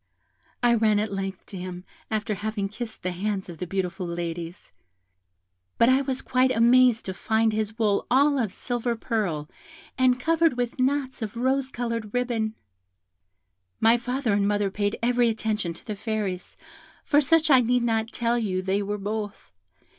I ran at length to him, after having kissed the hands of the beautiful ladies; but I was quite amazed to find his wool all of silver purl, and covered with knots of rose coloured ribbon. "My father and mother paid every attention to the Fairies, for such I need not tell you they were both.